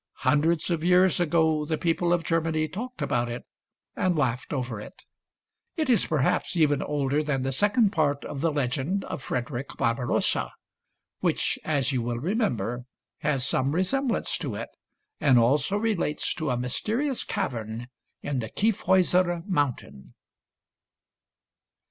Hun dreds of years ago the people of Germany talked about it and laughed over It. It is perhaps even older than the second part of the legend of Frederick Barbarossa, which, as you will remember, has some resemblance to it and also relates to a mysterious cavern in the Kyffhauser Mountain.